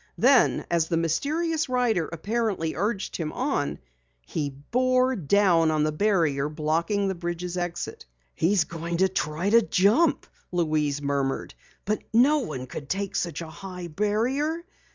Then as the mysterious rider apparently urged him on, he bore down on the barrier blocking the bridge's exit. "He's going to try to jump!" Louise murmured. "But no one could take such a high barrier!"